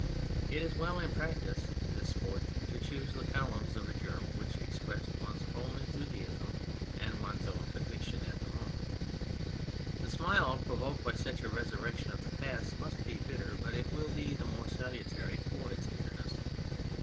It is well in practising this sport to choose the columns of a journal which expressed one's own enthusiasm and one's own con viction at the moment. The smile provoked by such a resurrection of the past must be bitter, but it will be the more salutary for its bitterness.